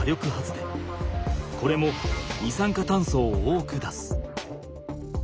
これも二酸化炭素を多く出す。